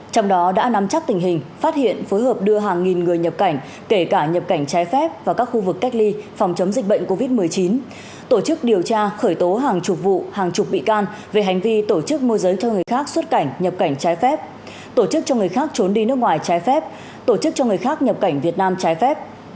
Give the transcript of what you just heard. trong đó đã nắm chắc tình hình phát hiện phối hợp đưa hàng nghìn người nhập cảnh kể cả nhập cảnh trái phép vào các khu vực cách ly phòng chống dịch bệnh covid một mươi chín tổ chức điều tra khởi tố hàng chục vụ hàng chục bị can về hành vi tổ chức môi giới cho người khác xuất cảnh nhập cảnh trái phép tổ chức cho người khác trốn đi nước ngoài trái phép tổ chức cho người khác nhập cảnh việt nam trái phép